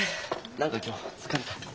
何か今日疲れた。